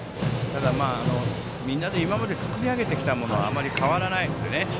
みんなで今まで作り上げてきたものはあまり変わらないので。